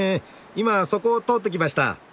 今そこを通ってきました。